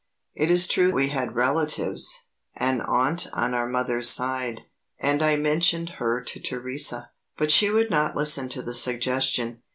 It is true we had relatives an aunt on our mother's side, and I mentioned her to Theresa. But she would not listen to the suggestion.